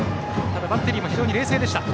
ただバッテリーも非常に冷静でした。